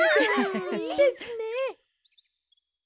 いいですね！